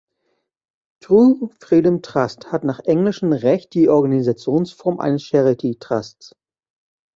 True Freedom Trust hat nach englischem Recht die Organisationsform eines Charity Trusts.